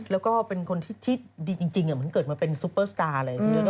แล้วก็เป็นคนที่ดีจริงเหมือนเกิดมาเป็นซูเปอร์สตาร์เลย